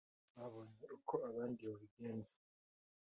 wababonye uko abandi babigenza?